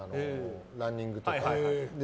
ランニングとか。